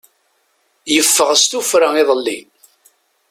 Yeffeɣ s tuffra iḍelli.